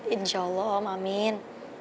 insya allah amin